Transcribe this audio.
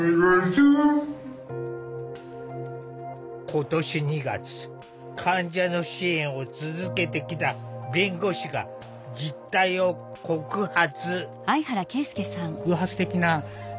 今年２月患者の支援を続けてきた弁護士が実態を告発。